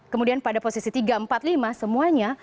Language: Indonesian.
kemudian pada posisi tiga empat lima semuanya